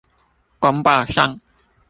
公報上